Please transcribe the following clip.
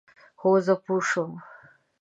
هو، زه پوه شوم،